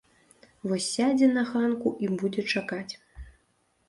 Вось сядзе на ганку і будзе чакаць.